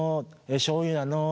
しょうゆなの？